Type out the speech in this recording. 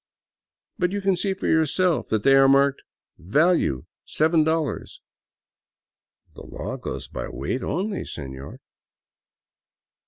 " But you can see for yourself that they are marked ' Value $7.' "" The law goes by weight only, senor."